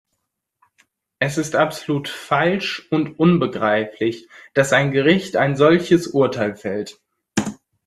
Es ist absolut falsch und unbegreiflich, dass ein Gericht ein solches Urteil fällt.